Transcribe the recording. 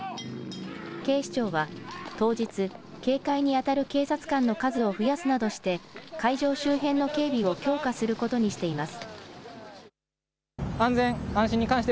警視庁は、当日、警戒に当たる警察官の数を増やすなどして会場周辺の警備を強化することにしています。